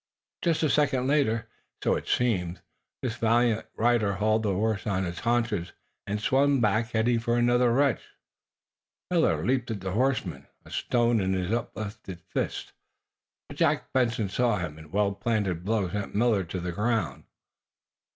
Just a second later, so it seemed, this valiant rider hauled the horse on its haunches, and swung back, heading for another wretch. Millard leaped at the horseman, a stone in his uplifted fist. But Jack Benson saw him, and a well planted blow sent Millard to the ground.